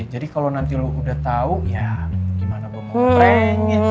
jadi kalo nanti lo udah tau ya gimana gue mau ngeprank ya